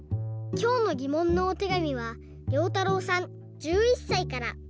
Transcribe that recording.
きょうのぎもんのおてがみはりょうたろうさん１１さいから。